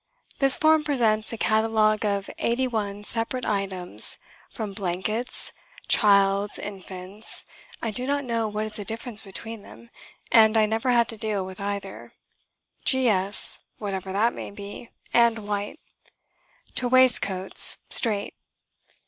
This form presents a catalogue of eighty one separate items, from "Blankets" ("Child's," "Infant's" I do not know what is the difference between them, and I never had to deal with either "G.S." whatever that may be and "White") to "Waist coats, Strait."